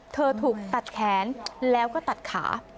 ถูกตัดแขนแล้วก็ตัดขา